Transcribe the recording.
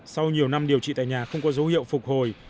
sau nhiều năm điều trị tại nhà không có dấu hiệu phục hồi